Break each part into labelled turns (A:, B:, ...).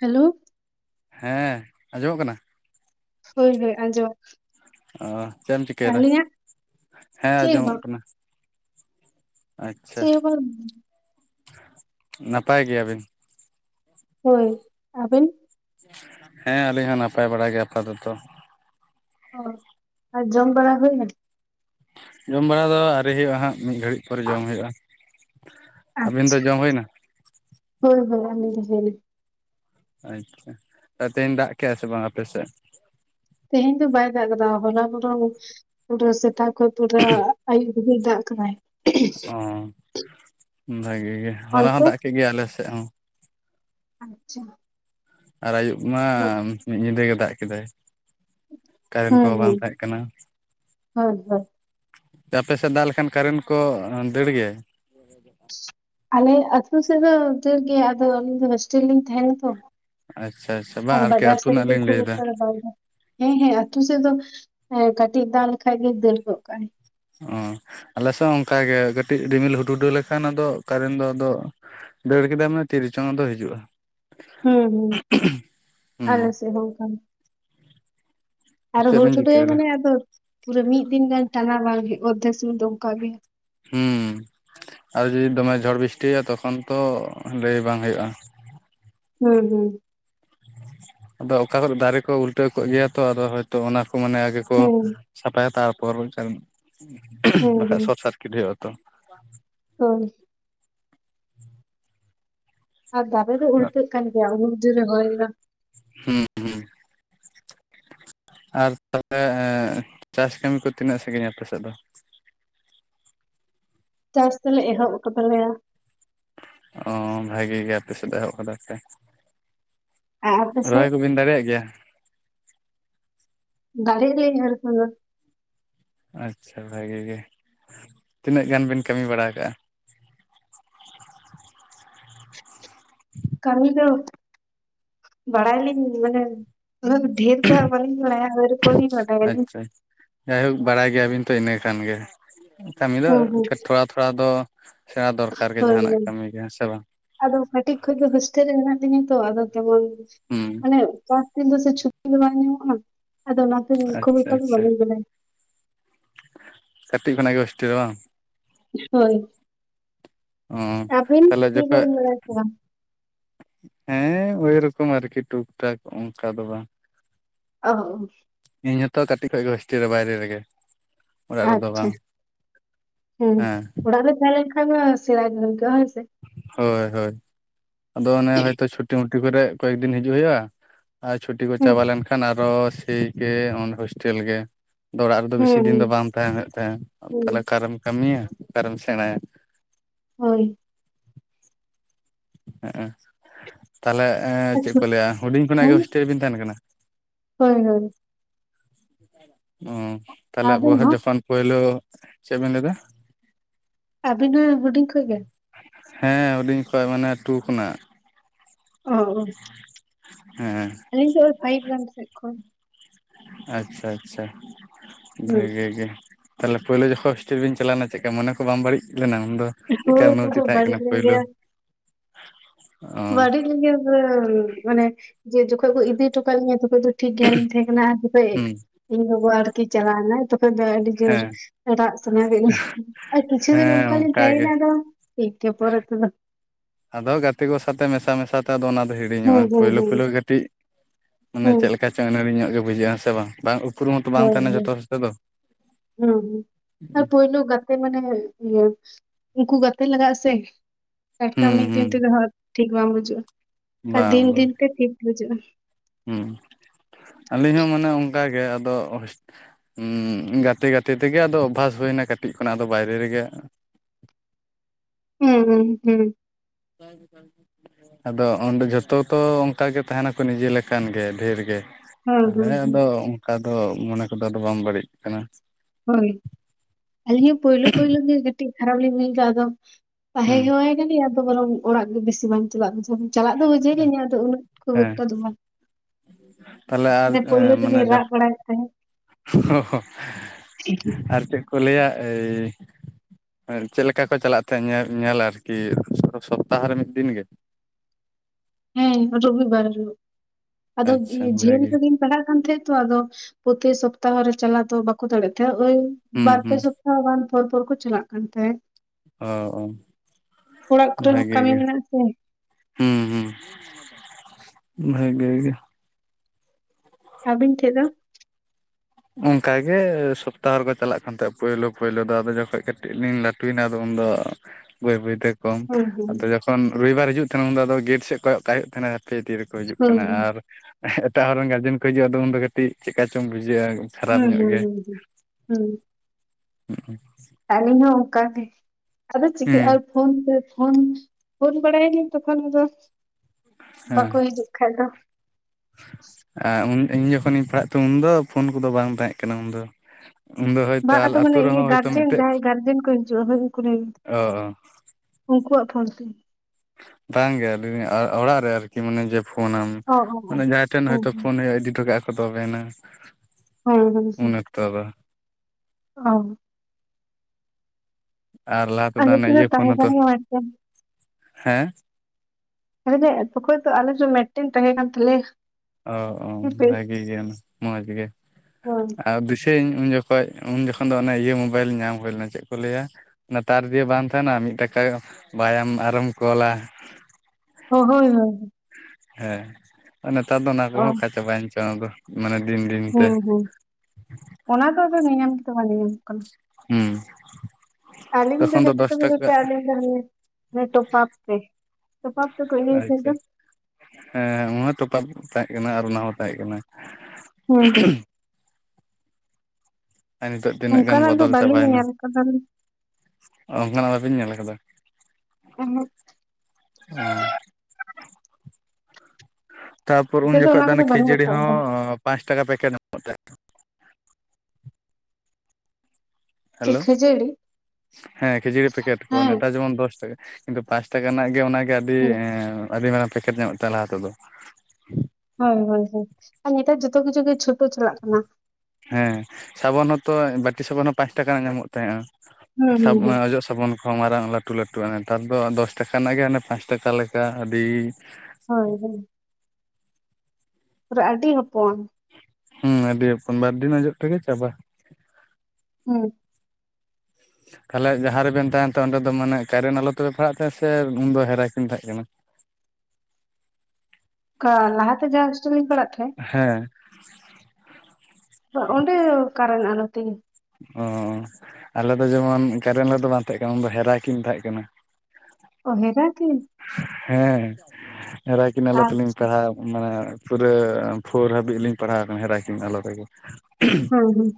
A: Hello,
B: ᱦᱮᱸ ᱟᱸᱡᱚᱢᱚᱜ ᱠᱟᱱᱟ?
A: ᱦᱳᱭ ᱦᱳᱭ ᱟᱸᱡᱚᱢᱚ,
B: ᱚ ᱪᱮᱫ ᱮᱢ ᱪᱤᱠᱟᱹᱭᱟ? ᱦᱮᱸ
A: ᱪᱮᱫ ᱦᱚᱸ
B: ᱟᱸᱡᱚᱢᱚᱜ
A: ᱵᱟᱝ
B: ᱠᱟᱱᱟ᱾ ᱟᱪᱪᱷᱟ
A: ᱪᱮᱫ ᱦᱚᱸ ᱵᱟᱝ
B: ᱱᱟᱯᱟᱭ ᱜᱮᱭᱟᱵᱤᱱ?
A: ᱦᱳᱭ, ᱟᱵᱤᱱ?
B: ᱦᱮᱸ ᱟᱹᱞᱤᱧ ᱦᱚᱸ ᱱᱟᱯᱟᱭ ᱵᱟᱲᱟ ᱜᱮ ᱟᱯᱟᱛᱚᱛᱚ᱾
A: ᱚ ᱟᱨ ᱡᱚᱢ ᱵᱟᱲᱟ ᱦᱩᱭᱱᱟ?
B: ᱡᱚᱢ ᱵᱟᱲᱟ ᱫᱚ ᱟᱹᱣᱨᱤ ᱦᱩᱭᱩᱜ-ᱟ ᱦᱟᱸᱜ ᱢᱤᱫ ᱜᱷᱟᱹᱲᱤᱡ ᱯᱚᱨᱮ ᱡᱚᱢ ᱦᱩᱭᱩᱜ-ᱟ᱾
A: ᱟᱪᱪᱷᱟ ᱦᱳᱭ ᱦᱳᱭ ᱟᱢ [unintelligible]
B: ᱟᱪᱪᱷᱟ ᱛᱮᱦᱮᱧ ᱫᱟᱜ ᱠᱮᱫᱟᱭ ᱥᱮ ᱵᱟᱝ ᱟᱯᱮ ᱥᱮᱫ?
A: ᱛᱮᱦᱮᱧ ᱫᱚ ᱵᱟᱭ ᱫᱟᱜ ᱠᱮᱫᱟ ᱦᱚᱞᱟ ᱵᱚᱨᱚᱝ ᱯᱩᱨᱟᱹ ᱥᱮᱛᱟᱜ ᱠᱷᱚᱱ ᱯᱩᱨᱟᱹ ᱟᱹᱭᱩᱵ᱾ ᱫᱷᱟᱵᱤᱡ ᱫᱟᱜ ᱠᱟᱫᱟᱭ᱾
B: ᱚ ᱵᱷᱟᱜᱤ ᱜᱮ ᱦᱚᱞᱟ
A: ᱚᱱᱛᱮ
B: ᱦᱚᱸ ᱫᱟᱜ ᱠᱮᱫ ᱜᱮᱭᱟ ᱟᱞᱮ ᱥᱮᱫ ᱦᱚᱸ᱾
A: ᱟᱪᱪᱷᱟ᱾
B: ᱟᱨ ᱟᱹᱭᱩᱵ ᱢᱟ ᱢᱤᱫ ᱧᱤᱫᱟᱹ ᱜᱮ ᱫᱟᱜ ᱠᱮᱫᱟᱭ᱾ ᱠᱟᱨᱮᱱᱴ
A: ᱦᱩᱸ
B: ᱠᱚ ᱵᱟᱝ
A: ᱦᱩᱸ
B: ᱛᱟᱦᱮᱸ ᱠᱟᱱᱟ᱾
A: ᱦᱳᱭ ᱦᱳᱭ
B: ᱟᱯᱮ ᱥᱮᱫ ᱫᱟᱜ ᱞᱮᱠᱷᱟᱱ ᱠᱟᱨᱮᱱᱴ ᱠᱚ ᱫᱟᱹᱲ ᱜᱮᱭᱟᱭ?
A: ᱟᱞᱮ ᱟᱹᱛᱩ ᱥᱮᱫ ᱫᱚᱭ ᱫᱟᱹᱲ ᱜᱮᱭᱟ ᱟᱫᱚ ᱟᱞᱤᱧ ᱫᱚ ᱦᱚᱥᱴᱮᱞ ᱨᱮᱞᱤᱧ ᱛᱟᱦᱮᱱ ᱟ ᱛᱚ᱾
B: ᱟᱪᱪᱷᱟ ᱟᱪᱪᱷᱟ ᱵᱟᱝ
A: ᱟᱨ
B: ᱟᱨᱠᱤ
A: ᱵᱟᱡᱟᱨ
B: ᱟᱹᱛᱩ
A: ᱥᱮᱫ
B: ᱨᱮᱱᱟᱜ
A: ᱫᱚ
B: ᱞᱤᱧ
A: ᱠᱷᱩᱵ
B: ᱞᱟᱹᱭ ᱮᱫᱟ
A: ᱮᱠᱴᱟ ᱫᱚ ᱵᱟᱭ ᱫᱟᱹᱲ ᱟ, ᱦᱮᱸ ᱦᱮᱸ ᱟᱛᱩ ᱥᱮᱫ ᱫᱚ ᱠᱟᱹᱴᱤᱡ ᱫᱟᱜ ᱞᱮᱠᱷᱟᱡ ᱜᱮ ᱫᱟᱹᱲ ᱜᱚᱜ ᱠᱟᱜᱟᱭ᱾
B: ᱚ ᱟᱞᱮ ᱥᱮᱫ ᱚᱱᱠᱟᱜᱮ ᱠᱟᱹᱴᱤᱡ ᱨᱤᱢᱤᱞ ᱦᱩᱰᱦᱩᱰᱟᱹ ᱞᱮᱠᱷᱟᱱ ᱟᱫᱚ ᱠᱟᱨᱮᱱ ᱫᱚ ᱟᱫᱚ ᱫᱟᱹᱲ ᱠᱮᱫᱟᱭ ᱢᱟᱱᱮ ᱛᱤ ᱨᱮ ᱪᱚᱝ ᱟᱫᱚ ᱦᱤᱡᱩᱜ-ᱟ᱾
A: ᱦᱩᱸ ᱦᱩᱸ ᱟᱞᱮ
B: ᱦᱩᱸ
A: ᱥᱮᱫ ᱦᱚ ᱚᱱᱠᱟ ᱜᱮ᱾ ᱟᱨ
B: ᱪᱮᱫ ᱵᱮᱱ
A: ᱦᱩᱰᱦᱩᱰᱟᱹ
B: ᱪᱤᱠᱟᱹᱭᱮᱫᱟ
A: ᱢᱟᱱᱮ ᱟᱫᱚ ᱯᱩᱨᱟᱹ ᱢᱤᱫ ᱫᱤᱱ ᱜᱟᱱ ᱴᱟᱱᱟ ᱵᱟᱝ ᱦᱩᱭᱩᱜ ᱚᱨᱫᱷᱥ ᱥᱚᱢᱚᱭ ᱫᱚ ᱚᱱᱠᱟ ᱜᱮ,
B: ᱦᱩᱸ ᱟᱨ ᱡᱩᱫᱤ ᱫᱚᱢᱮ ᱡᱷᱚᱲ ᱵᱤᱥᱴᱤᱭᱟ ᱛᱚᱠᱷᱚᱱ ᱛᱚ ᱞᱟᱹᱭ ᱵᱟᱝ ᱦᱩᱭᱩᱜ-ᱟ᱾
A: ᱦᱩᱸ ᱦᱩᱸ,
B: ᱟᱫᱚ ᱚᱠᱟ ᱠᱚᱨᱮᱫ ᱫᱟᱨᱮ ᱠᱚ ᱩᱞᱴᱟᱹᱣ ᱠᱚᱜ ᱜᱮᱭᱟ ᱛᱚ ᱟᱫᱚ ᱦᱚᱭᱛᱚ ᱚᱱᱟ ᱠᱚ ᱢᱟᱱᱮ ᱟᱜᱮ ᱠᱚ
A: ᱦᱩᱸ
B: ᱥᱟᱯᱷᱟᱭᱟ ᱛᱟᱨᱯᱚᱨ
A: ᱦᱩᱸ
B: ᱵᱟᱠᱷᱟᱱ
A: ᱦᱩᱸ
B: ᱥᱚᱨᱚᱴ ᱥᱟᱨᱠᱤᱴ ᱦᱩᱭᱩᱜ ᱟᱛᱚ,
A: ᱦᱳᱭ, ᱟᱨ ᱫᱟᱨᱮ ᱫᱚ ᱩᱞᱴᱟᱹᱞ ᱠᱟᱱ ᱜᱮᱭᱟ ᱩᱱᱟᱹᱜ ᱡᱳᱨᱮ ᱦᱚᱭ ᱫᱟ,
B: ᱦᱩᱸ ᱦᱩᱸ᱾ ᱟᱨ ᱛᱟᱦᱚᱞᱮ ᱪᱟᱥ ᱠᱟᱹᱢᱤ ᱠᱚ ᱛᱤᱱᱟᱹᱜ ᱥᱟᱺᱜᱤᱧ ᱟᱯᱮᱥᱮᱫ ᱫᱚ?
A: ᱪᱟᱥ ᱫᱚᱞᱮ ᱮᱦᱚᱵ ᱠᱟᱫᱟᱞᱮᱭᱟ᱾
B: ᱚ ᱵᱷᱟᱜᱮ ᱜᱮᱭᱟ ᱟᱯᱮ ᱥᱮᱫ ᱫᱚ ᱮᱦᱚᱵ ᱠᱟᱫᱟ ᱯᱮ᱾
A: ᱟᱨ ᱟᱯᱮ ᱥᱮᱫ
B: ᱨᱚᱦᱚᱭ ᱠᱚᱵᱤᱱ ᱫᱟᱲᱮᱭᱟᱜ ᱜᱮᱭᱟ,
A: ᱫᱟᱨᱮ ᱳᱭ ᱨᱚᱠᱚᱢ ᱫᱚ [inaudible]
B: ᱟᱪᱪᱷᱟ ᱵᱷᱟᱜᱮ ᱜᱮ ᱛᱤᱱᱟᱹᱜ ᱜᱟᱱ ᱵᱮᱱ ᱠᱟᱹᱢᱤ ᱵᱟᱲᱟ ᱠᱟᱜ-ᱟ᱾ [unintelligible]
A: ᱠᱟᱹᱢᱤ ᱫᱚ ᱵᱟᱲᱟᱭᱟ ᱞᱤᱧ ᱢᱟᱱᱮ ᱩᱱᱟᱹᱜᱼᱼ ᱰᱷᱮᱨ ᱫᱚᱦᱟᱜ ᱵᱟᱞᱤᱧ ᱵᱟᱲᱟᱭ ᱳᱭ ᱨᱚᱠᱚᱢ ᱞᱤᱧ ᱵᱟᱲᱟᱭ-ᱟ ᱞᱤᱧ᱾
B: ᱟᱪᱪᱷᱟ ᱡᱟᱭᱦᱳᱠ ᱵᱟᱲᱟᱭ ᱜᱮᱭᱟᱵᱤᱱ ᱛᱚ ᱤᱱᱟᱹ ᱠᱷᱟᱱ ᱜᱮ ᱠᱟᱹᱢᱤ ᱫᱚ
A: ᱦᱩᱸ ᱦᱩᱸ
B: ᱛᱷᱚᱲᱟ ᱛᱷᱚᱲᱟ ᱫᱚ᱾ ᱥᱮᱬᱟ ᱫᱚᱨᱠᱟᱨ ᱜᱮ
A: ᱦᱳᱭ
B: ᱡᱟᱦᱟᱱᱟᱜ
A: ᱦᱳᱭ
B: ᱠᱟᱹᱢᱤ ᱜᱮ ᱦᱮᱸ ᱥᱮ ᱵᱟᱝ᱾
A: ᱟᱫᱚ ᱠᱟᱹᱴᱤᱡ ᱠᱷᱚᱡ ᱫᱚ ᱦᱳᱥᱴᱮᱞ ᱨᱮ ᱦᱮᱱᱟᱜ ᱞᱤᱧᱟ ᱛᱚ ᱟᱫᱚ ᱛᱮᱢᱚᱱ
B: ᱦᱩᱸ
A: ᱢᱟᱱᱮ ᱪᱟᱥ ᱫᱤᱱ ᱫᱚ, ᱵᱟᱝ ᱧᱟᱢᱚᱜ-ᱟ ᱟᱫᱚ ᱚᱱᱟᱛᱮ ᱠᱷᱩᱵ
B: ᱟᱪᱪᱷᱟ
A: ᱮᱠᱴᱟ ᱫᱚ
B: ᱟᱪᱪᱷᱟ
A: ᱵᱚᱞᱮᱼᱼ
B: ᱠᱟᱹᱴᱤᱡ ᱠᱷᱚᱱᱟᱜ ᱜᱮ ᱦᱳᱥᱴᱤ ᱨᱮ ᱵᱟᱝ?
A: ᱦᱳᱭ
B: ᱚ
A: ᱟᱵᱤᱱ
B: ᱛᱟᱦᱚᱞᱮ
A: ᱥᱤᱭᱩᱜ
B: ᱡᱚᱠᱷᱚᱡ
A: ᱠᱩᱵᱤᱱ ᱵᱟᱲᱟᱭᱟ ᱥᱮ ᱵᱟᱝ?
B: ᱦᱮᱸ ᱳᱭᱨᱚᱠᱚᱢ ᱟᱨᱠᱤ, ᱴᱩᱠ ᱴᱟᱠ ᱚᱱᱠᱟ ᱫᱚ ᱵᱟᱝ᱾
A: ᱚᱦᱚᱻ
B: ᱤᱧ ᱦᱚᱛᱚ ᱠᱟᱹᱴᱤᱡ ᱠᱷᱚᱡ ᱜᱮ ᱦᱳᱥᱴᱮ ᱨᱮ ᱵᱟᱭᱨᱮ ᱨᱮᱜᱮ᱾ ᱚᱲᱟᱜ ᱨᱮᱫᱚ
A: ᱟᱪᱪᱷᱟ
B: ᱵᱟᱝ
A: ᱦᱮᱸ ᱚᱲᱟᱜ ᱨᱮ ᱛᱟᱦᱮᱸ ᱞᱮᱱᱠᱷᱟᱱ ᱫᱚ ᱥᱮᱲᱟ ᱜᱮ ᱦᱳᱭ ᱠᱚᱜ-ᱟ ᱦᱮᱸ ᱥᱮ᱾
B: ᱦᱳᱭ ᱦᱳᱭ ᱟᱫᱚ ᱚᱱᱮ ᱦᱚᱭᱛᱚ ᱪᱷᱩᱴᱤᱢᱩᱴᱤ ᱠᱚᱨᱮᱜ ᱠᱚᱭᱮᱠ ᱫᱤᱱ ᱦᱤᱡᱩᱜ ᱦᱳᱭᱳᱜᱼᱟ᱾ ᱟᱨ ᱪᱷᱩᱴᱤ ᱠᱚ
A: ᱦᱮᱸ
B: ᱪᱟᱵᱟ ᱞᱮᱱᱠᱷᱟᱱ ᱟᱨᱦᱚ ᱥᱮᱭ ᱜᱮ ᱚᱸᱰᱮ ᱦᱳᱥᱴᱮᱞ ᱜᱮ᱾ ᱟᱫᱚ ᱚᱲᱟᱜ ᱨᱮᱫᱚ ᱵᱮᱥᱤ
A: ᱦᱮᱸ
B: ᱫᱤᱱ ᱫᱚ ᱵᱟᱝ ᱛᱟᱦᱮ ᱦᱳᱭᱳᱜ ᱛᱟᱦᱮᱸᱜ
A: ᱦᱮᱸ
B: ᱛᱟᱦᱞᱮ ᱚᱠᱟᱨᱮᱢ ᱠᱟᱹᱢᱤᱭᱟ ᱚᱠᱟᱨᱮᱢ ᱥᱮᱬᱟᱭᱟ᱾
A: ᱦᱳᱭ᱾
B: ᱦᱮᱸᱜ-ᱮ ᱛᱟᱞᱦᱮ ᱪᱮᱫ
A: ᱟᱪᱪᱷᱟ
B: ᱠᱚ ᱞᱟᱹᱭᱟ ᱦᱩᱰᱤᱧ ᱠᱷᱚᱱᱟᱜ ᱜᱮ
A: ᱦᱮᱸ
B: ᱦᱳᱥᱴᱮᱞ ᱨᱤᱵᱤᱱ ᱛᱟᱦᱮᱱ ᱠᱟᱱᱟ᱾
A: ᱦᱳᱭ ᱦᱳᱭ᱾
B: ᱚ ᱛᱟᱦᱞᱮ
A: ᱟᱹᱵᱤᱱ
B: ᱵᱚᱦᱟ
A: ᱦᱚᱸ?
B: ᱡᱚᱠᱷᱚᱱ ᱯᱟᱹᱭᱞᱟᱹ ᱪᱮᱫ ᱵᱮᱱ ᱞᱟᱹᱭᱫᱟ?
A: ᱟᱵᱤᱱ ᱦᱚᱸ ᱦᱩᱰᱤ ᱠᱷᱚᱡ ᱜᱮ?
B: ᱦᱮᱸ ᱦᱩᱸᱰᱤᱧ ᱠᱷᱚᱡ ᱢᱟᱱᱮ ᱴᱩ ᱠᱷᱚᱱᱟᱜ᱾
A: ᱚᱻ
B: ᱦᱮᱸᱻ
A: ᱟᱞᱤᱧ ᱫᱚ ᱯᱷᱟᱭᱤᱵᱽ ᱜᱟᱱ ᱥᱮᱜ ᱠᱷᱚᱱ᱾
B: ᱟᱪᱪᱷᱟ ᱟᱪᱪᱷᱟ ᱵᱷᱟᱹᱜᱮ ᱜᱮ᱾ ᱛᱟᱦᱚᱞᱮ ᱯᱟᱹᱭᱞᱟᱹ ᱡᱚᱠᱷᱚ ᱦᱳᱥᱴᱮᱞ ᱵᱤᱱ ᱪᱟᱞᱟᱣᱱᱟ ᱪᱮᱜᱠᱟ ᱢᱚᱱᱮ ᱠᱚ ᱵᱟᱝ ᱵᱟᱹᱲᱤᱡ ᱞᱮᱱᱟ ᱩᱱᱫᱚ᱾ ᱪᱮᱜᱠᱟ
A: ᱦᱳᱭ ᱠᱚᱫᱚ
B: [inaudible] ᱛᱟᱦᱮᱸ ᱠᱟᱱᱟ
A: ᱵᱟᱹᱲᱤᱡ ᱞᱮᱱ
B: ᱯᱟᱹᱭᱞᱟᱹ
A: ᱜᱮᱭᱟ ᱵᱟᱹᱲᱤᱡ [inaudible] ᱢᱟᱱᱮ ᱡᱮ ᱡᱚᱠᱷᱚᱡ ᱠᱚ ᱤᱫᱤ ᱦᱚᱴᱚ ᱠᱟᱜ ᱞᱤᱧᱟᱹ ᱛᱚᱠᱷᱚᱡ ᱫᱚᱼᱼ ᱴᱷᱤᱠ ᱜᱮᱭᱟᱞᱤᱧ ᱛᱟᱦᱮᱸ ᱠᱟᱱᱟ ᱟᱨ ᱡᱚᱠᱷᱚᱡ
B: ᱦᱩᱸ
A: ᱤᱧ ᱜᱚᱜᱚ ᱟᱨᱠᱤ ᱪᱟᱞᱟᱣᱱᱟᱭᱼᱼ ᱟᱹᱰᱤ ᱡᱳᱨ
B: ᱦᱮᱸ
A: ᱨᱟᱜ ᱥᱟᱱᱟ ᱠᱮᱫ ᱞᱤᱧᱟ ᱟᱨ ᱠᱤᱪᱷᱩ ᱫᱤᱱ
B: ᱦᱮᱸ
A: ᱚᱱᱠᱟ ᱞᱤᱧ
B: ᱚᱱᱠᱟᱜᱮ
A: ᱛᱟᱦᱮᱸᱭᱮᱱᱟ ᱟᱫᱚ᱾ ᱪᱮᱜ ᱪᱚ ᱯᱚᱨᱮ ᱛᱮᱫᱚ᱾
B: ᱟᱫᱚ ᱜᱟᱛᱮ ᱠᱚ ᱥᱟᱛᱮᱜ ᱢᱮᱥᱟ ᱢᱮᱥᱟ ᱛᱟ ᱫᱚ ᱚᱱᱟ ᱫᱚ
A: ᱦᱩᱸ
B: ᱦᱤᱲᱤᱧᱚᱜᱼᱟ
A: ᱦᱩᱸ
B: ᱯᱟᱹᱭᱞᱟᱹ
A: ᱦᱩᱸ
B: ᱯᱟᱹᱭᱞᱟᱹ ᱠᱟᱹᱴᱤᱡ ᱢᱟᱱᱮ
A: ᱦᱩᱸ
B: ᱪᱮᱫ ᱞᱮᱠᱟ ᱪᱚᱝ ᱟᱹᱱᱟᱹᱲᱤᱧᱚᱜ ᱜᱮ ᱵᱩᱡᱷᱟᱹᱜᱼᱟ ᱥᱮ ᱵᱟᱝ᱾ ᱵᱟᱝ ᱩᱯᱨᱩᱢ ᱦᱚᱸᱛᱚ ᱵᱟᱝ
A: ᱦᱳᱭ
B: ᱛᱟᱦᱮᱱᱟ
A: ᱦᱳᱭ
B: ᱡᱷᱚᱛᱚ ᱦᱚᱲ ᱥᱟᱛᱮᱜ ᱫᱚ᱾
A: ᱦᱳᱭ ᱢᱟᱱᱮ ᱤᱭᱟᱹ ᱩᱱᱠᱩ ᱜᱟᱛᱮ ᱞᱟᱜᱟᱜ-ᱟ ᱥᱮ ᱴᱟᱴᱠᱟ
B: ᱦᱩᱸ
A: ᱢᱤᱫ
B: ᱦᱩᱸ
A: ᱫᱤᱱ ᱛᱮᱫᱚ ᱦᱟᱸᱜᱼᱼ ᱴᱷᱤᱠ ᱵᱟᱝ ᱵᱩᱡᱩᱜ-ᱟ
B: ᱵᱟᱝ
A: ᱫᱤᱱ
B: ᱵᱟᱝ
A: ᱫᱤᱱ ᱛᱮ ᱴᱷᱤᱠ ᱵᱩᱡᱩᱜ-ᱟ᱾
B: ᱦᱩᱸ ᱟᱹᱞᱤᱧ ᱦᱚᱸ ᱢᱟᱱᱮ ᱚᱱᱠᱟ ᱜᱮ ᱟᱫᱚ ᱦᱳᱥ ᱜᱟᱛᱮ ᱜᱟᱛᱮ ᱛᱮᱜᱮ ᱟᱫᱚ ᱚᱵᱵᱷᱟᱥ ᱦᱩᱭᱱᱟ, ᱠᱟᱹᱴᱤᱡ ᱠᱷᱚᱱᱟᱜ ᱟᱫᱚ ᱵᱟᱭᱨᱮ ᱨᱮᱜᱮ᱾
A: ᱦᱩᱸ ᱦᱩᱸ ᱾
B: [unintelligible] ᱟᱫᱚ ᱚᱸᱰᱮ ᱡᱷᱚᱛᱚ ᱛᱚ ᱚᱱᱠᱟ ᱜᱮ ᱛᱟᱦᱮᱱᱟᱠᱚ ᱱᱤᱡᱮ ᱞᱮᱠᱟᱱ ᱜᱮ ᱰᱷᱮᱨ ᱜᱮ᱾
A: ᱦᱳᱭ
B: ᱛᱟᱦᱞᱮ
A: ᱦᱳᱭ ᱦᱳᱭ
B: ᱟᱫᱚ ᱚᱱᱠᱟ ᱫᱚ ᱢᱚᱱᱮ ᱠᱚᱫᱚ ᱟᱫᱚ ᱵᱟᱝ ᱵᱟᱹᱲᱤᱡ ᱠᱟᱱᱟ᱾
A: ᱦᱳᱭ ᱟᱹᱞᱤᱧ ᱦᱚᱸ ᱯᱟᱹᱭᱞᱟᱹ ᱯᱟᱹᱭᱞᱟᱹ ᱜᱮ ᱠᱟᱹᱴᱤᱡ ᱠᱷᱟᱨᱟᱯ ᱞᱤᱧ ᱵᱩᱡᱽᱫᱟ ᱟᱫᱚ᱾ ᱛᱟᱦᱮᱸ
B: ᱦᱩᱸ
A: ᱦᱚᱣᱟᱭ ᱱᱟᱞᱤᱧ ᱟᱫᱚ ᱵᱚᱨᱚᱝ ᱚᱲᱟᱜ ᱜᱮ ᱵᱮᱥᱤ ᱵᱟᱝ ᱪᱟᱞᱟᱜ ᱵᱩᱡᱷᱟᱹᱣ᱾ ᱪᱟᱞᱟᱜ ᱫᱚ ᱵᱩᱡᱷᱟᱹᱣ
B: ᱦᱮᱸ
A: ᱞᱤᱧᱟ ᱟᱫᱚ ᱩᱱᱟᱹᱜ ᱠᱷᱩᱵᱠ ᱮᱠᱴᱟ ᱫᱚ ᱵᱟᱝ᱾
B: ᱛᱟᱦᱚᱞᱮ ᱟᱨ
A: ᱢᱟᱱᱮ ᱯᱟᱹᱭᱞᱟᱹ ᱫᱤᱱᱤᱧ ᱨᱟᱜ ᱵᱟᱲᱟᱭᱮᱫ ᱛᱟᱦᱮᱸᱫ᱾
B: ᱦᱚ ᱦᱚ ᱟᱨ ᱪᱮᱜ ᱠᱚ ᱞᱟᱹᱭᱟ ᱮᱭ? ᱪᱮᱜ ᱞᱮᱠᱟ ᱠᱚ ᱪᱟᱞᱟᱜ ᱛᱟᱦᱮᱸᱜ ᱧᱮᱞ ᱧᱮᱞ ᱟᱨᱠᱤ ᱥᱚᱯᱛᱟᱦᱚ ᱨᱮ ᱢᱤᱫ ᱫᱤᱱ ᱜᱮ᱾
A: ᱦᱮᱸ ᱨᱚᱵᱤ ᱵᱟᱨ ᱨᱮ ᱟᱫᱚ
B: ᱟᱪᱪᱷᱟ ᱵᱷᱟᱜᱮ
A: [inaudible] ᱯᱟᱲᱦᱟᱜ ᱠᱟᱱ ᱛᱟᱦᱮᱸᱜ ᱛᱚ ᱟᱫᱚ ᱯᱚᱛᱤ ᱥᱚᱯᱛᱟᱦᱚ ᱨᱮ ᱪᱟᱞᱟᱜ ᱫᱚ ᱵᱟᱠᱚ ᱫᱟᱲᱮᱜ ᱛᱟᱦᱮᱸᱜ ᱳᱭ
B: ᱦᱩᱸ
A: ᱵᱟᱨ ᱯᱮ
B: ᱦᱩᱸ
A: ᱥᱚᱯ᱾ [inaudible] ᱯᱷᱳᱨ ᱯᱷᱳᱨ ᱠᱚ ᱪᱟᱞᱟᱜ ᱠᱟᱱ ᱛᱟᱦᱮᱸᱜ᱾
B: ᱚ ᱚ
A: ᱚᱲᱟᱜ ᱠᱚᱨᱮ ᱦᱚᱸ
B: ᱵᱷᱟᱜᱮ
A: ᱠᱟᱹᱢᱤ
B: ᱜᱮ
A: ᱢᱮᱱᱟᱜ-ᱟ ᱥᱮ᱾
B: ᱦᱩᱸ ᱦᱩᱸ ᱵᱷᱟᱜᱮ ᱜᱮ᱾
A: ᱟᱹᱵᱤᱱ ᱴᱷᱮᱡ ᱫᱚ᱾
B: ᱚᱝᱠᱟ ᱜᱮ ᱥᱚᱯᱛᱟᱦᱚ ᱨᱮᱠᱚ ᱪᱟᱞᱟᱜ ᱠᱟᱱ ᱛᱟᱦᱮᱸᱜ ᱯᱟᱹᱭᱞᱟᱹ ᱯᱟᱹᱭᱞᱟᱹ ᱫᱚ ᱟᱫᱚ ᱡᱚᱠᱷᱚᱡ ᱠᱟᱹᱴᱤᱡ ᱞᱤᱧ ᱞᱟᱹᱴᱩᱭᱱᱟ ᱟᱫᱚ ᱩᱱᱫᱚ᱾ ᱵᱟᱹᱭ ᱵᱟᱹᱭ ᱛᱮ ᱠᱚᱢ
A: ᱦᱩᱸ ᱦᱩᱸ
B: ᱟᱫᱚ ᱡᱚᱠᱷᱚᱱ ᱨᱚᱵᱤᱵᱟᱨ ᱦᱤᱡᱩᱜ ᱛᱟᱦᱮᱱᱟ ᱩᱱᱫᱚ ᱟᱫᱚ ᱜᱮᱴ ᱥᱮᱫ ᱠᱭᱚᱜ ᱠᱟᱜ ᱦᱩᱭᱩᱜ ᱛᱟᱦᱮᱸᱱᱟ᱾ ᱟᱯᱮ ᱛᱤᱨ ᱨᱮᱠᱚ ᱦᱤᱡᱩᱜ
A: ᱦᱩᱸ
B: ᱠᱟᱱᱟ ᱟᱨ ᱮᱴᱟᱜ ᱦᱚᱲ ᱨᱮᱱ ᱜᱟᱨᱡᱮᱱ ᱠᱚ ᱦᱤᱡᱩᱜᱼᱟ ᱟᱫᱚ ᱩᱱᱫᱚ ᱠᱟᱹᱴᱤᱡ ᱪᱤᱠᱠᱟ ᱪᱚᱝ ᱵᱩᱡᱷᱟᱹᱜᱼᱟ᱾ ᱠᱷᱟᱨᱟᱯ
A: ᱦᱩᱸ,
B: ᱧᱚᱜ
A: ᱦᱩᱸ,
B: ᱜᱮ
A: ᱦᱩᱸ, ᱦᱩᱸ, ᱦᱩᱸ᱾
B: ᱦᱩᱸ ᱾
A: ᱟᱞᱤᱧ ᱦᱚᱸ ᱚᱱᱠᱟᱜᱮ᱾ ᱟᱫᱚ ᱪᱤᱠᱟᱹᱜ-ᱟ?
B: ᱦᱩᱸ
A: ᱯᱷᱳᱱ, ᱯᱷᱳᱱ, ᱯᱷᱳᱱ ᱵᱟᱲᱟᱭᱟ ᱞᱤᱧ ᱛᱚᱠᱷᱚᱱ ᱫᱚ᱾
B: ᱦᱮᱸ
A: ᱵᱟᱠᱚ ᱦᱤᱡᱩᱜ ᱠᱷᱟᱡ ᱫᱚ᱾
B: [inaudible] ᱟᱨ ᱤᱧ ᱡᱚᱠᱷᱚᱱᱤᱧ ᱯᱟᱲᱦᱟᱜ ᱛᱮ ᱩᱱᱫᱚ ᱯᱷᱳᱱ ᱠᱚᱫᱚ ᱵᱟᱝ ᱛᱟᱦᱮᱸ ᱠᱟᱱᱟ ᱩᱱᱫᱚ᱾ ᱩᱱᱫᱚ ᱦᱳᱭᱛᱳ
A: ᱵᱟᱝ
B: ᱟᱞᱮ
A: ᱟᱫᱚ ᱢᱟᱱᱮ
B: ᱟᱹᱛᱩ
A: ᱤᱭᱟᱹ
B: ᱨᱮᱦᱚᱸ ᱦᱳᱭᱛᱳ
A: ᱜᱟᱨᱡᱮᱱ
B: ᱢᱤᱫᱴᱮᱡ
A: ᱡᱟᱦᱟᱸᱭ ᱜᱟᱨᱡᱮᱱ ᱠᱚᱭ ᱦᱤᱡᱩᱜᱼᱟ᱾
B: ᱚ
A: ᱩᱱᱠᱩᱣᱟᱜ ᱯᱷᱚᱱ ᱛᱮ᱾
B: ᱵᱟᱝ ᱜᱮ ᱟᱹᱞᱤᱧ ᱚᱲᱟᱜ ᱨᱮ ᱟᱨᱠᱤ ᱢᱟᱱᱮ᱾ ᱯᱷᱳᱱᱟᱢ
A: ᱚ ᱚ
B: ᱢᱟᱱᱮ ᱡᱟᱦᱟᱸᱭ ᱴᱷᱮᱱ
A: ᱚ
B: ᱦᱚᱭᱛᱳ
A: ᱦᱩᱸ
B: ᱯᱷᱳᱱ ᱤᱫᱤ ᱦᱚᱴᱚ ᱠᱟᱜᱼᱟ ᱠᱚ ᱛᱚᱵᱮᱱᱟ᱾
A: ᱦᱮᱸ ᱦᱮᱸ᱾
B: ᱛᱚᱵᱮ᱾
A: ᱚ
B: ᱟᱨ ᱞᱟᱦᱟ ᱛᱮᱫᱚ
A: ᱟᱞᱮ
B: ᱦᱟᱱᱮ
A: ᱥᱮᱫ ᱫᱚ
B: ᱤᱭᱟᱹ ᱯᱷᱳᱱ
A: ᱛᱟᱦᱮᱸ
B: ᱦᱚᱸᱛᱚ,
A: ᱠᱟᱱ ᱜᱮᱭᱟ ᱢᱤᱫᱴᱮᱱ
B: ᱦᱮᱸ
A: ᱟᱞᱮ ᱴᱷᱮᱡ, ᱛᱚᱠᱷᱚᱱ ᱫᱚ ᱟᱞᱮ ᱴᱷᱮᱡ ᱢᱮᱫᱴᱮᱱ ᱛᱟᱦᱮᱸ ᱠᱟᱱ ᱛᱟᱞᱮᱭᱟ᱾
B: ᱚ ᱚ
A: ᱠᱤᱯᱮᱰ
B: ᱵᱷᱟᱜᱤ ᱜᱮᱭᱟ ᱢᱟ ᱢᱚᱸᱡᱽ ᱜᱮ
A: ᱦᱳᱭ
B: ᱟᱨ᱾ ᱴᱮᱧ ᱩᱱ ᱡᱚᱠᱷᱚᱡ ᱩᱱ ᱡᱚᱠᱷᱚᱱ ᱫᱚ ᱚᱱᱮ ᱤᱭᱟᱹ ᱢᱳᱵᱟᱭᱤᱞ ᱧᱟᱢ ᱦᱩᱭ ᱞᱮᱱᱟ ᱪᱮᱫ ᱠᱚ ᱞᱟᱹᱭᱟ? ᱚᱱᱮ ᱛᱟᱨ ᱫᱤᱭᱮ ᱵᱟᱝ ᱛᱟᱦᱮᱱᱟ ᱢᱤᱫ ᱴᱟᱠᱟ ᱵᱟᱭᱟᱢ ᱟᱨᱮᱢ ᱠᱚᱞᱟ᱾
A: ᱦᱳᱭ ᱦᱳᱭ᱾
B: ᱦᱮᱸ ᱱᱮᱛᱟᱨ ᱫᱚ ᱚᱱᱟ
A: ᱚ
B: ᱠᱚᱦᱚᱸ ᱠᱟ ᱪᱟᱵᱟᱭᱮᱱ ᱪᱚ ᱟᱫᱚ? ᱢᱟᱱᱮ ᱫᱤᱱ ᱫᱤᱱ᱾ ᱛᱮ
A: ᱦᱩᱸ ᱦᱩᱸ ᱚᱱᱟ ᱫᱚ ᱟᱫᱚ ᱧᱮᱧᱟᱢ ᱛᱮᱫᱚ ᱵᱟᱝ ᱧᱮᱧᱟᱢᱚᱜ ᱠᱟᱱᱟ᱾
B: ᱦᱩᱸ ᱾
A: ᱟᱞᱤᱧ ᱫᱚ ᱟᱞ ᱴᱚᱯᱯ ᱨᱮ [unintelligible] ᱛᱚᱯᱟᱯ ᱛᱮ ᱠᱚ ᱤᱛᱟᱹ ᱛᱟᱦᱮᱽ ᱫᱚ᱾
B: [inaudible] ᱦᱮᱸ ᱚᱱᱟ ᱛᱚ ᱯᱟᱯ ᱛᱟᱦᱮᱸ ᱠᱟᱱᱟ ᱟᱨ ᱚᱱᱟ ᱦᱚᱸ ᱛᱟᱦᱮᱸ ᱠᱟᱱᱟ
A: ᱦᱩᱸ
B: [unintelligible] ᱟᱨ ᱱᱤᱛᱚᱜ ᱛᱤᱱᱟᱹᱜ ᱜᱟᱱ
A: ᱚᱱᱠᱟᱱᱟᱜ ᱫᱚ
B: ᱵᱚᱫᱚᱞ
A: ᱵᱟᱹᱞᱤᱧ
B: ᱪᱟᱵᱟᱭᱮᱱᱟ
A: ᱧᱮᱞ ᱠᱟᱫᱟ
B: ᱾ ᱚᱱᱠᱟᱱᱟᱜ ᱵᱟᱵᱮᱱ ᱧᱮᱞ ᱠᱟᱫᱟ?
A: ᱮᱦᱮᱸᱜ
B: ᱚ ᱛᱟᱯᱚᱨ ᱩᱱ
A: ᱱᱤᱛᱚᱜ
B: ᱡᱚᱠᱷᱚᱱ
A: ᱚᱱᱟ
B: ᱫᱚ ᱚᱱᱮ
A: ᱠᱚᱫᱚ ᱵᱟᱹᱱᱩᱜ
B: ᱠᱷᱤᱡᱟᱹᱲᱤ ᱦᱚᱸ
A: ᱟᱠᱟᱫᱟ
B: ᱯᱟᱸᱪ ᱴᱟᱠᱟ ᱯᱮᱠᱮᱴ [inaudible]
A: ᱪᱮ
B: ᱦᱮᱞᱳ
A: ᱠᱷᱟᱹᱡᱟᱹᱲᱤ
B: ᱦᱮᱸ ᱠᱷᱮᱡᱟᱹᱨᱤ ᱯᱮᱠᱮᱴ ᱠᱚ
A: ᱦᱮᱸ
B: ᱱᱮᱛᱟᱨ ᱡᱮᱢᱚᱱ ᱫᱚᱥ ᱴᱟᱠᱟ ᱾ ᱠᱤᱱᱛᱩ ᱯᱟᱸᱪ ᱴᱟᱠᱟ ᱱᱟᱜ ᱜᱮ ᱚᱱᱟᱜᱮ ᱟᱹᱰᱤ
A: ᱦᱳᱭ
B: ᱮᱸ ᱟᱹᱰᱤ ᱢᱟᱨᱟᱝ ᱯᱮᱠᱮᱴ ᱧᱟᱢᱚᱜ ᱛᱟᱦᱮ ᱞᱟᱦᱟ ᱛᱮ ᱫᱚ ᱾
A: ᱦᱳᱭ ᱦᱳᱭ ᱦᱳᱭ ᱟᱨ ᱱᱮᱛᱟᱨ ᱡᱚᱛᱚ ᱠᱤᱪᱷᱩ ᱜᱮ ᱪᱷᱳᱴᱟᱹ ᱪᱟᱞᱟᱜ ᱠᱟᱱᱟ ᱾
B: ᱦᱮᱸ ᱥᱟᱵᱚᱱ ᱦᱚᱸᱛᱚ ᱵᱟᱹᱴᱤ ᱥᱟᱵᱚᱱ ᱦᱚᱸ ᱯᱟᱸᱪ ᱴᱟᱠᱟ ᱱᱟᱜ ᱧᱟᱢᱚᱜ ᱛᱟᱦᱮᱸᱡᱼᱟ ᱾
A: ᱦᱩᱸ
B: ᱥᱟᱵ
A: ᱦᱩᱸ ᱦᱩᱸ
B: ᱚᱡᱚᱜ ᱥᱟᱵᱚᱱ ᱦᱚᱸ ᱢᱟᱨᱟᱝ ᱞᱟᱹᱴᱩ ᱞᱟᱹᱴᱩᱼᱟ ᱱᱮᱛᱟᱨ ᱫᱚ ᱫᱚᱥ ᱴᱟᱠᱟ ᱱᱟᱜ ᱜᱮ ᱦᱟᱱᱮ ᱯᱟᱸᱪ ᱴᱟᱠᱟ ᱞᱮᱠᱟ ᱟᱹᱰᱤ
A: ᱦᱳᱭ ᱦᱳᱭ, ᱯᱩᱨᱟᱹ ᱟᱹᱰᱤ ᱦᱚᱯᱚᱱ ᱾
B: ᱦᱩᱸ ᱟᱹᱰᱤ ᱦᱚᱯᱚᱱ ᱵᱟᱨ ᱫᱤᱱ ᱚᱡᱚᱜ ᱛᱮᱜᱮ ᱪᱟᱵᱟ ᱾
A: ᱦᱩᱸ
B: [inaudible] ᱛᱷᱟᱞᱮᱡ ᱡᱟᱦᱟᱸ ᱨᱮᱵᱮᱱ ᱛᱟᱦᱮᱱ ᱛᱟᱦᱮᱸ ᱚᱸᱰᱮ ᱫᱚ ᱢᱟᱱᱮ ᱠᱟᱨᱮᱱ ᱟᱞᱚ ᱛᱮᱯᱮ ᱯᱷᱟᱲᱟᱜ ᱛᱟᱦᱮᱸ ᱥᱮ ᱩᱱ ᱫᱚ ᱦᱮᱨᱟ ᱠᱤᱱ ᱛᱟᱦᱮᱸ ᱠᱟᱱᱟ? [inaudible]
A: ᱠᱟ ᱞᱟᱦᱟ ᱛᱮ ᱡᱟᱦᱟ ᱦᱳᱥᱴᱮᱞ ᱞᱤᱧ ᱯᱟᱲᱦᱟᱜ ᱛᱟᱦᱮᱜ ᱾
B: ᱦᱮᱸ,
A: ᱚ ᱚᱸᱰᱮ ᱠᱟᱨᱮᱱ ᱟᱞᱳ ᱛᱮᱜᱮ ᱾
B: ᱚ ᱟᱞᱮᱫᱚ ᱡᱮᱢᱚᱱ ᱠᱟᱨᱮᱱ ᱟᱞᱳ ᱫᱚ ᱵᱟᱝ ᱛᱟᱦᱮᱸ ᱠᱟᱱᱟ ᱩᱱ ᱫᱚ ᱦᱮᱨᱟ ᱠᱤᱱ ᱛᱟᱦᱮᱸᱫ ᱠᱟᱱᱟ᱾
A: ᱚ ᱦᱮᱨᱟ ᱠᱤᱱ?
B: ᱦᱮᱸ ᱦᱮᱨᱟ ᱠᱤᱱ ᱟᱞᱳ
A: ᱟᱪᱪᱷᱟ
B: ᱛᱮᱞᱤᱧ ᱯᱟᱲᱦᱟᱣ ᱢᱟᱱᱮ ᱯᱩᱨᱟᱹ ᱯᱷᱳᱨ ᱦᱟᱹᱵᱤᱡ ᱞᱤᱧ ᱯᱟᱲᱦᱟᱣ ᱠᱟᱱᱟ ᱦᱮᱨᱟ ᱠᱤᱱ ᱟᱞᱚ ᱛᱮᱜᱮ᱾
A: ᱦᱳᱜ ᱦᱩᱸ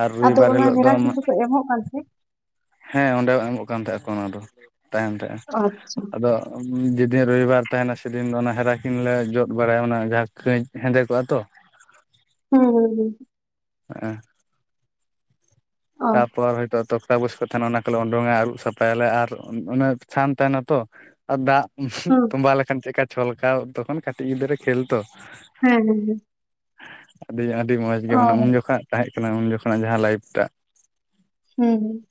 B: ᱟᱨ
A: ᱟᱫᱚ
B: ᱨᱚᱵᱤᱵᱟᱨ
A: ᱚᱱᱟ
B: ᱦᱤᱞᱳᱜ ᱫᱚ
A: ᱦᱮᱨᱟ ᱠᱤᱱ ᱫᱚᱠᱚ ᱮᱢᱚᱜ ᱠᱟᱱ ᱛᱮ?
B: ᱦᱮᱸ ᱚᱸᱰᱮ ᱮᱢᱚᱜ ᱠᱟᱱ ᱛᱟᱦᱮᱸᱫ ᱠᱚ ᱚᱱᱟ ᱫᱚ ᱛᱟᱦᱮᱱ ᱛᱟᱦᱮᱸᱜ
A: ᱟᱪᱪᱷᱟ
B: ᱟᱫᱚ ᱾ [inaudible] ᱡᱮᱫᱤᱱ ᱨᱚᱭᱤᱵᱟᱨ ᱛᱟᱦᱮᱱᱟ ᱥᱮᱫᱤᱱ ᱫᱚ ᱚᱱᱟ ᱦᱮᱨᱟᱠᱤᱱ ᱞᱮ ᱡᱚᱫ ᱵᱟᱲᱟᱭᱟ ᱚᱱᱟ ᱡᱟᱦᱟᱸ ᱠᱟᱹᱪ ᱦᱮᱸᱫᱮ ᱠᱚᱜᱼᱟ ᱛᱚ ᱾
A: ᱦᱩᱸ ᱦᱩᱸ ᱦᱩᱸ,
B: [inaudible]
A: ᱚ
B: ᱛᱟᱨᱯᱚᱨ ᱦᱚᱭᱛᱚ ᱛᱚᱠ ᱾ ᱠᱟᱜᱚᱥ ᱠᱚ ᱛᱟᱦᱮᱱᱟ ᱚᱱᱟ ᱠᱚᱞᱮ ᱩᱰᱚᱝᱼᱟ ᱟᱹᱨᱩᱵ ᱥᱟᱯᱷᱟᱭᱟᱞᱮ ᱟᱨ ᱚᱱᱟ ᱪᱷᱟᱱ ᱛᱟᱦᱮᱱᱟ ᱛᱚ ᱾ ᱟᱨ ᱫᱟᱜ
A: ᱦᱩᱸ
B: ᱛᱚᱸᱵᱟ ᱞᱮᱠᱷᱟᱱ ᱪᱮᱜᱠᱟ ᱪᱷᱚᱞᱠᱟᱣ ᱛᱚᱠᱷᱚᱱ ᱠᱟᱹᱴᱤᱡ ᱜᱤᱫᱽᱨᱟᱹ ᱠᱷᱮᱞ ᱛᱚ ᱾
A: ᱦᱮᱸ ᱦᱮᱸ ᱦᱮᱸ,
B: ᱟᱹᱰᱤ ᱟᱹᱰᱤ ᱢᱚᱡᱽ ᱜᱮ
A: ᱚ
B: ᱢᱟᱱᱮ ᱩᱱ ᱡᱚᱠᱷᱟᱜ ᱛᱟᱦᱮᱸᱡ ᱠᱟᱱᱟ ᱩᱱ ᱡᱚᱠᱷᱚᱱᱟᱜ ᱡᱟᱦᱟᱸ ᱞᱟᱭᱤᱯᱷᱴᱟᱜ ᱾
A: ᱦᱩᱸ ᱦᱩᱸ,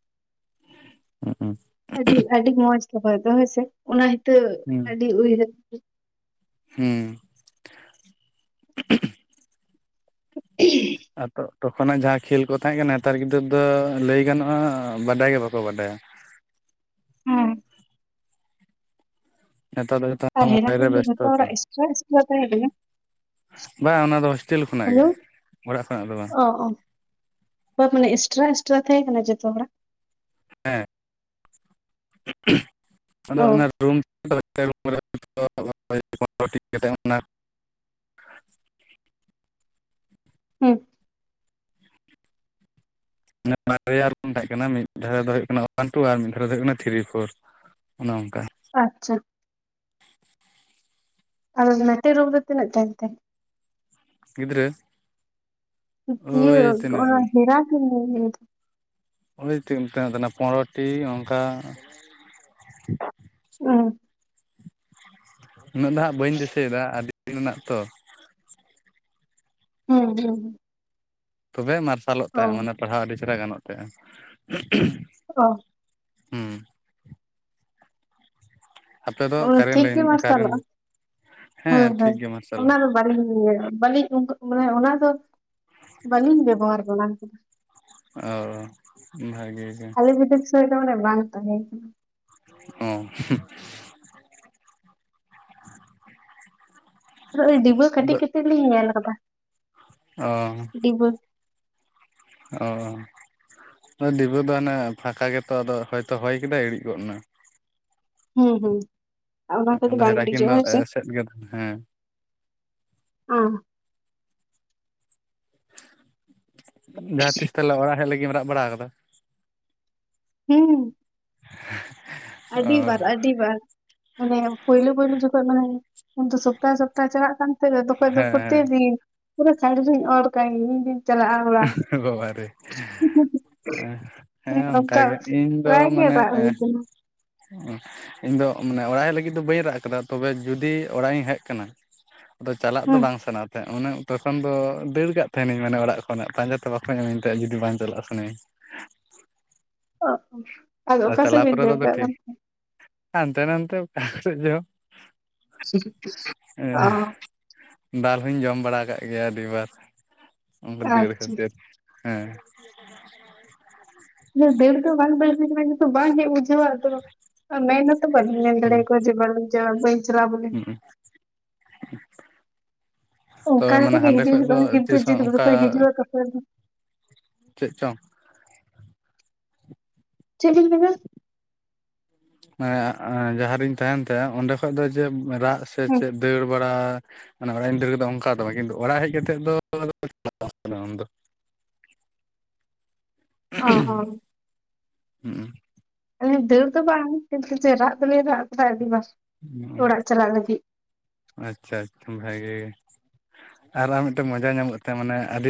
B: ᱦᱩᱸᱜᱼᱩᱸ ᱾
A: ᱟᱹᱰᱤ ᱟᱹᱰᱤ ᱢᱚᱸᱡᱽ ᱜᱮ ᱦᱚᱭ ᱫᱚ ᱦᱳᱭ ᱥᱮ ᱚᱱᱟ ᱦᱤᱸᱛᱚᱜ ᱟᱹᱰᱤ ᱩᱭᱦᱟᱹᱨ
B: ᱦᱩᱸ,
A: [unintelligible]
B: ᱟ ᱛᱳᱜ ᱛᱚᱠᱷᱚᱱᱟᱜ ᱡᱟᱦᱟᱸ ᱠᱷᱮᱞ ᱠᱚ ᱛᱟᱦᱮᱸ ᱠᱟᱱᱟ ᱱᱮᱛᱟᱨ ᱜᱤᱫᱽᱨᱟᱹ ᱫᱚ ᱞᱟᱹᱭ ᱜᱟᱱᱚᱜᱼᱟ ᱵᱟᱰᱟᱭ ᱜᱮ ᱵᱟᱠᱚ ᱵᱟᱰᱟᱭᱟ ᱾
A: ᱦᱮᱸ,
B: ᱱᱮᱛᱟᱨ ᱫᱚ ᱡᱷᱚᱛ
A: ᱟᱨ ᱦᱮᱨᱟᱠᱤᱱ ᱫᱚ ᱡᱚᱛᱚ ᱦᱚᱲᱟᱜ ᱮᱥᱴᱨᱟ ᱮᱥᱴᱨᱟ ᱛᱟᱦᱮᱸ ᱠᱟᱱᱟ?
B: ᱵᱟᱝ ᱚᱱᱟ ᱫᱚ ᱦᱳᱥᱴᱮᱞ ᱠᱷᱚᱱᱟᱜ
A: ᱦᱮᱞᱳ
B: ᱜᱮ ᱚᱲᱟᱜ ᱠᱷᱚᱱᱟᱜ ᱫᱚ ᱵᱟᱝ ᱾
A: ᱚ ᱚ ᱵᱟ ᱢᱟᱱᱮ ᱮᱥᱴᱨᱟ ᱮᱥᱴᱨᱟ ᱛᱟᱦᱮᱸᱠᱟᱱᱟ ᱡᱚᱛᱚ ᱦᱚᱲᱟᱜ?
B: ᱦᱮᱸ ᱚᱫᱚ
A: ᱚ
B: ᱚᱱᱟᱨ ᱨᱩᱢ [unintelligible] ᱮᱱᱟ᱾
A: [inaudible]
B: ᱢᱟᱱᱮ ᱵᱟᱨᱭᱟ ᱨᱮᱵᱚᱱ ᱛᱮᱦᱮᱜ ᱠᱟᱱᱟ ᱢᱤᱫ ᱫᱷᱟᱨᱮ ᱫᱚ ᱦᱩᱭᱩᱜ ᱠᱟᱱᱟ ᱚᱣᱟᱱ ᱴᱩ ᱟᱨ ᱢᱤᱫ ᱫᱷᱟᱨᱮ ᱫᱚ ᱦᱩᱭᱩᱜ ᱠᱟᱱᱟ ᱛᱷᱤᱨᱤ ᱯᱷᱳᱨ ᱚᱱᱚ ᱚᱱᱠᱟ᱾
A: ᱟᱪᱪᱷᱟ, ᱟᱫᱚ [unintelligible] ᱨᱩᱢ ᱨᱮ ᱛᱤᱱᱟᱹᱜ ᱛᱟᱦᱮᱱᱛᱮ,
B: ᱜᱤᱫᱽᱨᱟᱹ?
A: ᱤᱭᱟ.
B: ᱳᱭ ᱛᱤᱱᱟᱹᱜ
A: ᱚᱱᱟ ᱦᱮᱨᱟᱠᱤᱱ, [inaudible]
B: ᱚᱱᱰᱮ ᱛᱤᱱᱟᱹᱜ ᱮᱢ ᱴᱤ ᱛᱟᱦᱮᱱᱟ ᱯᱚᱱᱨᱚᱴᱤ ᱚᱱᱠᱟ᱾
A: ᱚᱸ,
B: ᱩᱱᱟᱹᱜ ᱫᱚ ᱦᱟᱸᱜ ᱵᱟᱹᱧ ᱫᱤᱥᱟᱹᱭᱮᱫᱟ ᱟᱹᱰᱤ ᱫᱤᱱ ᱨᱮᱱᱟᱜ ᱛᱚ᱾
A: ᱦᱩᱸ ᱦᱩᱸ ᱦᱩᱸ,
B: ᱛᱚᱵᱮ ᱢᱟᱨᱥᱟᱞᱚᱜ
A: ᱚ
B: ᱛᱟᱦᱮᱸᱫ ᱢᱟᱱᱮ ᱯᱟᱲᱦᱟᱣ ᱟᱹᱰᱤ ᱪᱮᱦᱨᱟ ᱜᱟᱱᱚᱜ ᱛᱟᱦᱮᱸᱼᱟ᱾
A: ᱚ,
B: ᱦᱩᱸ, ᱟᱯᱮ ᱫᱚ
A: ᱚ
B: ᱠᱟᱨᱮᱱ
A: ᱴᱷᱤᱠ
B: ᱞᱟᱭᱤᱱ
A: ᱜᱮ
B: ᱠᱟᱨᱮᱱ
A: ᱢᱟᱨᱥᱟᱞᱚᱜᱼᱚ ᱦᱚᱭ
B: ᱦᱮᱸ ᱴᱷᱤᱠ
A: ᱦᱚᱭ
B: ᱜᱮᱭᱟ ᱢᱟᱨᱥᱟᱞᱟ
A: ᱚᱱᱟ ᱫᱚ, ᱵᱟᱹᱞᱤᱧ ᱵᱟᱹᱞᱤᱧ ᱚᱝᱠᱚ ᱢᱟᱱᱮ ᱚᱱᱟ ᱫᱚ ᱵᱟᱹᱞᱤᱧ ᱵᱮᱵᱚᱦᱟᱨ ᱫᱚ ᱚᱱᱟ ᱠᱚᱫᱚ᱾
B: ᱚ ᱵᱷᱟᱜᱮ ᱜᱮ᱾
A: [unintelligible] ᱫᱚ ᱚᱱᱰᱚ ᱵᱟᱝ ᱛᱟᱦᱮᱸ ᱠᱟᱱᱟ᱾
B: ᱚ ᱦᱩᱸ᱾
A: ᱳᱭ ᱰᱤᱵᱟᱹ
B: ᱟᱫᱚ
A: ᱠᱟᱹᱴᱤᱡ ᱠᱟᱹᱴᱤᱡ ᱞᱤᱧ ᱧᱮᱞ ᱠᱟᱫᱟ᱾
B: ᱚ,
A: ᱰᱤᱵᱟᱹ᱾
B: ᱚ, ᱳᱸᱭ ᱰᱤᱵᱟᱹ ᱫᱚ ᱦᱟᱱᱮ ᱯᱷᱟᱸᱠᱟ ᱜᱮᱛᱚ ᱟᱫᱚ ᱦᱚᱭᱛᱚ ᱦᱚᱭ ᱠᱮᱫᱟᱭ ᱤᱲᱤᱡ ᱜᱚᱫ ᱮᱱᱟ᱾
A: ᱦᱩᱸ ᱦᱩᱸ ᱚᱱᱟ ᱠᱚᱫᱚ
B: ᱟᱫᱚ
A: ᱵᱟᱝ
B: ᱦᱮᱨᱟᱠᱤᱱ
A: ᱤᱲᱤᱡᱚᱜᱟ
B: ᱫᱚ
A: ᱦᱚᱭ ᱥᱮ?
B: ᱮᱥᱮᱫ ᱜᱮ ᱦᱮᱸ
A: ᱚᱸ,
B: ᱡᱟᱦᱟᱸᱛᱤᱥ ᱛᱟᱦᱚᱞᱮ ᱚᱲᱟᱜ ᱦᱮᱡ ᱞᱟᱹᱜᱤᱫᱼᱮᱢ ᱨᱟᱜ ᱵᱟᱲᱟ ᱠᱟᱫᱟ?
A: ᱦᱩᱸ,
B: [unintelligible] [inaudible]
A: ᱟᱹᱰᱤ
B: ᱚ
A: ᱵᱟᱨ ᱟᱹᱰᱤ ᱟᱹᱰᱤ ᱵᱟᱨ, ᱢᱟᱱᱮ ᱯᱳᱭᱞᱳ ᱯᱳᱭᱞᱳ ᱡᱚᱠᱷᱚᱡ ᱢᱟᱱᱮ ᱩᱱᱫᱚ ᱥᱚᱯᱛᱟ ᱥᱚᱯᱛᱟ ᱪᱟᱞᱟᱜ ᱠᱟᱱ [unintelligible] ᱛᱚᱠᱷᱚᱱ ᱫᱚ
B: ᱦᱮᱸ
A: ᱯᱚᱛᱤ ᱫᱤᱱ ᱯᱩᱨᱟᱹ ᱥᱟᱲᱤᱨᱤᱧ ᱚᱨ ᱠᱟᱜᱤᱧ᱾
B: ᱵᱟᱵᱟ ᱨᱮ, ᱦᱮᱸ
A: ᱚᱱᱠᱟ
B: ᱚᱝᱠᱟᱜᱮ᱾ ᱤᱧ ᱫᱚ
A: ᱯᱨᱟᱭ ᱜᱮ
B: ᱢᱟᱱᱮ
A: ᱨᱟᱜ ᱦᱩᱭ
B: ᱮᱸ
A: ᱠᱟᱱᱟ
B: ᱤᱧ ᱫᱚ ᱢᱟᱱᱮ ᱚᱲᱟᱜ ᱦᱮᱡ ᱞᱟᱹᱜᱤᱫ ᱫᱚ ᱵᱟᱹᱧ ᱨᱟᱜ ᱠᱟᱫᱟ, ᱛᱚᱵᱮ ᱡᱩᱫᱤ ᱚᱲᱟᱜ ᱤᱧ ᱦᱮᱡ ᱠᱟᱱᱟ, ᱟᱫᱚ ᱪᱟᱞᱟᱜ ᱫᱚ
A: ᱦᱩᱸ
B: ᱵᱟᱝ ᱥᱟᱱᱟ ᱛᱟᱦᱮᱸᱫ᱾ ᱩᱱᱮ ᱛᱚᱠᱷᱚᱱ ᱫᱚ ᱫᱟᱹᱲ ᱠᱟᱜ ᱛᱟᱦᱮᱱᱤᱧ ᱢᱟᱱᱮ ᱚᱲᱟᱜ ᱠᱷᱚᱱᱟᱜ ᱯᱟᱸᱡᱟᱸᱛᱮ ᱵᱟᱠᱚ ᱧᱟᱢᱤᱧ ᱛᱟᱦᱮᱜ ᱡᱩᱫᱤ ᱵᱟᱝ ᱪᱟᱞᱟᱜ ᱥᱟᱱᱟᱹᱧᱟ᱾
A: ᱟᱫᱚ
B: ᱟᱨ
A: ᱚᱠᱟᱥᱮᱜ
B: ᱪᱟᱞᱟᱣ
A: ᱵᱤᱱ
B: ᱯᱚᱨᱮ ᱫᱚ ᱟᱫᱚ
A: ᱫᱟᱹᱲᱠᱟᱜ
B: ᱴᱷᱤᱠ
A: ᱠᱟᱱ ᱛᱟᱸᱦᱮᱸ?
B: ᱦᱟᱱᱛᱮ ᱱᱟᱱᱛᱮ ᱚᱠᱟ ᱠᱚᱨᱮ ᱪᱚ,
A: ᱚᱸ,
B: ᱫᱟᱞ ᱦᱚᱧ ᱡᱚᱢ ᱵᱟᱲᱟᱠᱟᱜ ᱜᱮᱭᱟ ᱟᱹᱰᱤ ᱵᱟᱨ, ᱫᱟᱹᱲ
A: ᱟᱪᱪᱷᱟ
B: ᱠᱷᱟᱹᱛᱤᱨ᱾ ᱦᱮᱸ, [unintelligible]
A: ᱤᱭᱟᱹ ᱫᱟᱹᱲ ᱫᱚ ᱵᱟᱝ ᱫᱟᱹᱲ ᱦᱳᱭ ᱠᱟᱱᱟ ᱠᱤᱱᱛᱩ ᱵᱟᱝ ᱦᱮᱡ ᱵᱩᱡᱷᱟᱹᱣ-ᱟ᱾ ᱟᱫᱚ ᱢᱮᱱ ᱦᱚᱛᱚ ᱵᱟᱞᱤᱧ ᱢᱮᱱ
B: ᱦᱩᱸ
A: ᱫᱟᱲᱮᱭᱟ ᱠᱚᱣᱟ ᱡᱮ ᱵᱟᱝ ᱞᱤᱧ ᱪᱟᱜ-ᱟ ᱵᱟᱹᱧ ᱪᱟᱞᱟᱜ-ᱟ ᱵᱚᱞᱮ᱾
B: [unintelligible] [inaudible] ᱛᱚᱵᱮ
A: ᱚᱝᱠᱟ ᱠᱟᱛᱮ
B: ᱢᱟᱱᱮ
A: ᱜᱮ
B: ᱦᱟᱸᱰᱮ
A: ᱦᱤᱡᱩᱜ
B: ᱠᱷᱚᱡ
A: ᱦᱤᱞᱚᱜ
B: ᱫᱚ
A: ᱦᱚᱸ ᱠᱤᱱᱛᱩ
B: ᱛᱤᱥ
A: ᱡᱮ ᱫᱚᱢᱮ
B: ᱚᱱᱠᱟ
A: ᱫᱚᱠᱚ ᱦᱤᱡᱩᱜ-ᱟ ᱠᱷᱟᱹᱯᱟᱹᱨᱤ᱾ [unintelligible]
B: ᱪᱮᱜ ᱪᱚᱝ?
A: ᱪᱮᱜ ᱞᱤᱧ ᱢᱮᱱᱟ?
B: ᱦᱮᱸ ᱡᱟᱦᱟᱸᱨᱤᱧ ᱛᱟᱦᱮᱱ ᱛᱮ ᱚᱸᱰᱮ ᱠᱷᱚᱡ ᱫᱚ ᱡᱮ ᱨᱟᱜ ᱥᱮ
A: ᱦᱮᱸ
B: ᱪᱮᱫ ᱫᱟᱹᱲ ᱵᱟᱲᱟ ᱢᱟᱱᱮ ᱚᱲᱟᱜ ᱤᱧ ᱠᱮᱫᱟ ᱚᱱᱠᱟ ᱫᱚ ᱵᱟᱝ, ᱠᱤᱱᱛᱩ ᱚᱲᱟᱜ ᱦᱮᱡ ᱠᱟᱛᱮᱫ ᱫᱚ [unintelligible] ᱥᱟᱱᱟᱣᱟ ᱩᱱᱫᱚ᱾ [unintelligible] [inaudible]
A: ᱦᱚᱸ ᱦᱚᱸ
B: [unintelligible]
A: ᱟᱹᱞᱤᱧ ᱫᱟᱹᱲ ᱫᱚ ᱵᱟᱝ ᱠᱤᱱᱛᱩ ᱡᱮ ᱨᱟᱜ ᱫᱚᱞᱤᱧ ᱨᱟᱜ ᱠᱟᱫᱟ ᱟᱰᱤᱵᱟᱨ᱾
B: [unintelligible] ᱟᱪᱪᱷᱟ ᱟᱪᱪᱷᱟ ᱵᱷᱟᱜᱮ ᱜᱮ, ᱟᱨ ᱢᱤᱫᱴᱟᱝ ᱢᱚᱡᱟ ᱧᱟᱢ ᱠᱟᱛᱮ ᱢᱟᱱᱮ ᱟᱹᱰᱤ